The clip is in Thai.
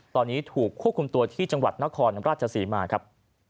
ตอนนี้ถูกควบคุมตัวที่จังหวัดนครราชศรีมาครับ